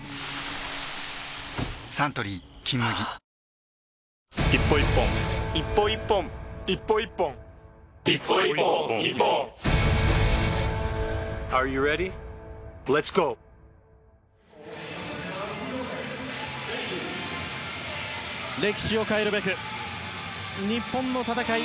サントリー「金麦」歴史を変えるべく日本の戦い。